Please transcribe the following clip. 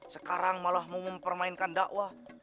sekarang malah mau mempermainkan dakwah